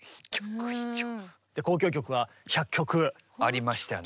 交響曲は１００曲。ありましたね。